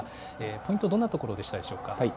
ポイント、どんなところでしたでしょうか。